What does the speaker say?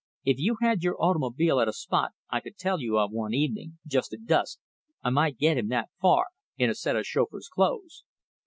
If you had your automobile at a spot I could tell you of one evening, just at dusk, I might get him that far, in a set of chauffeur's clothes.